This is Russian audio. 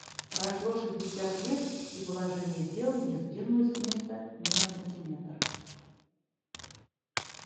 Прошло шестьдесят лет — и положение дел не сдвинулось с места ни сантиметр.